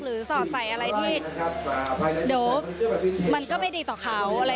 หรือสอดใส่อะไรที่โด่มันก็ไม่ดีต่อเขา